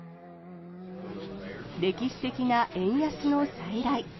歴史的な円安の再来。